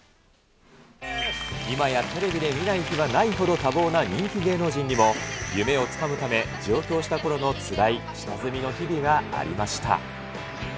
今やテレビで見ない日はないほど多忙な人気芸能人にも、夢をつかむため、上京したころのつらい下積みの日々がありました。